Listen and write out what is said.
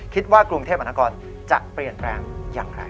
คิดว่ากรุงเทพมนตรากรจะเปลี่ยนแปลงอย่างไร